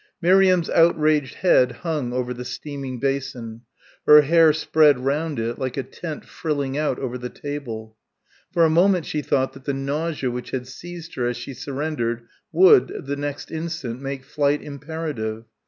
Miriam's outraged head hung over the steaming basin her hair spread round it like a tent frilling out over the table. For a moment she thought that the nausea which had seized her as she surrendered would, the next instant, make flight imperative.